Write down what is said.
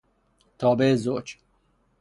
تابع زوج